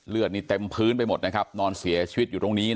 เลือดนี่เต็มพื้นไปหมดนะครับนอนเสียชีวิตอยู่ตรงนี้